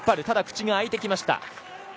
ただ、口が開いてきました。